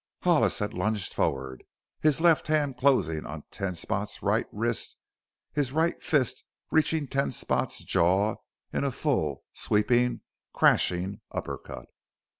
Hollis had lunged forward, his left hand closing on Ten Spot's right wrist, his right fist reaching Ten Spot's jaw in a full, sweeping, crashing uppercut.